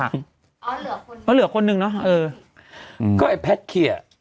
เอาเหลือคนแล้วเหลือคนหนึ่งเนอะเอ่ออืมก็แอฟแพทขีเลีย